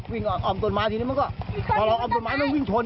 อ้อมตนมาทีนี้มันก็พอเราอ้อมต้นไม้มันวิ่งชน